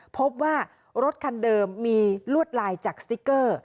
พบว่ารถคันเดิมมีลวดลายจากสติ๊กเกอร์